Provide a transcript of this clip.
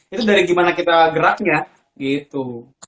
itu dari gimana kita geraknya gitu